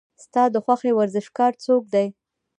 ستا د خوښې ورزشکار څوک دی؟